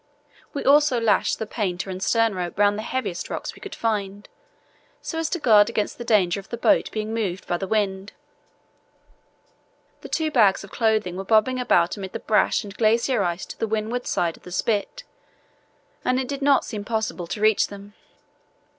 We also lashed the painter and stern rope round the heaviest rocks we could find, so as to guard against the danger of the boat being moved by the wind. The two bags of clothing were bobbing about amid the brash and glacier ice to the windward side of the spit, and it did not seem possible to reach them.